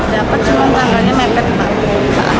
dapat cuma tangganya mepet mbak